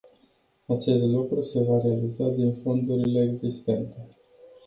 Acest lucru se va realiza din fondurile existente.